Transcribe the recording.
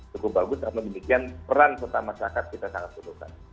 cukup bagus karena demikian peran masyarakat kita sangat gunakan